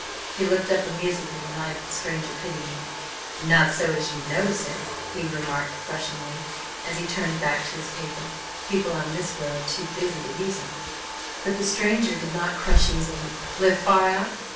He looked up amusedly and eyed the stranger pitingly: "Not so as you'd notice it," he remarked crushingly as he turned back to his paper. "People on this road too busy to use 'em." But the stranger did not crush easily: "Live far out?"